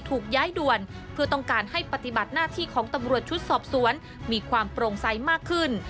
ถูกย้ายด่วนเพื่อต้องการให้ปฏิบัติหน้าที่ของตำรวจชุดสอบสวนมีความโปร่งใสมากขึ้น